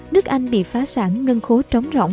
nước anh bị phá sản ngân khố trống rỗng